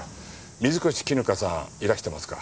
水越絹香さんいらしてますか？